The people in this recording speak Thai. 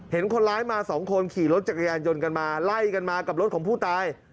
เห็นคนร้ายมาสองคนขี่รถจักรยานยนต์กันมาไล่กันมากับรถของผู้ตาย